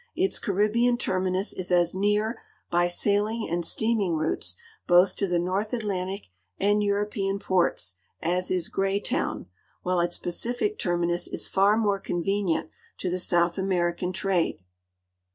Its Carilibean terminus is as near by sailing and steaming routes both to the North Atlantic and European ports as is Greytown, while its Pacific terminus is far more convenient to the South American trade.